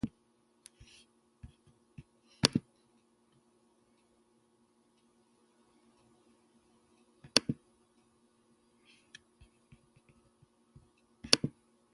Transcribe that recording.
This method condemned the offensive over Britain to failure before it began.